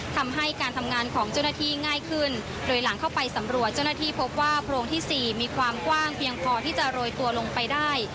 ทำให้การทำงานของเจ้าหน้าที่ง่ายขึ้นโดยหลังเข้าไปสำรวจเจ้าหน้าที่พบว่าโพรงที่๔มีความกว้างเพียงพอที่จะโรยตัวลงไปได้